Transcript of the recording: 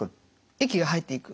液が入っていく。